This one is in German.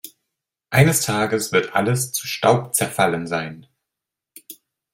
Eines Tages wird alles zu Staub zerfallen sein.